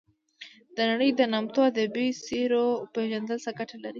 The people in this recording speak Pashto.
د نړۍ د نامتو ادبي څیرو پېژندل څه ګټه لري.